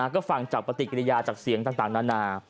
ก็ฟังจากปฏิกิริยาจากเสียงต่างนานา